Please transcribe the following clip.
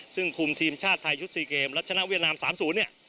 ซึ่งคุมทีมชาติไทยชุดสี่เกมและชนะเวียดนามสามศูนย์เนี่ย